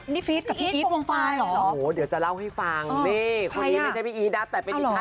นี่พีทกับพี่อี๊ดประวังค์ไฟเหรอ